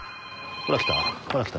ほらきた。